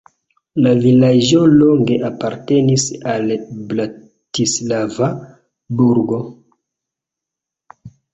La vilaĝo longe apartenis al Bratislava burgo.